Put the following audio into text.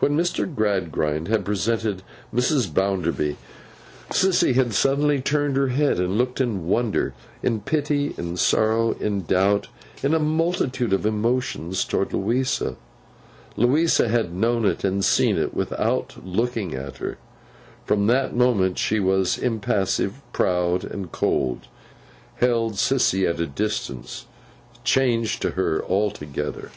When Mr. Gradgrind had presented Mrs. Bounderby, Sissy had suddenly turned her head, and looked, in wonder, in pity, in sorrow, in doubt, in a multitude of emotions, towards Louisa. Louisa had known it, and seen it, without looking at her. From that moment she was impassive, proud and cold—held Sissy at a distance—changed to her altogether.